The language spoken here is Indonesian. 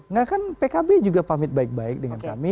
enggak kan pkb juga pamit baik baik dengan kami